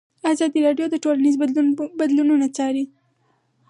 ازادي راډیو د ټولنیز بدلون بدلونونه څارلي.